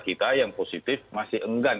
kita yang positif masih enggan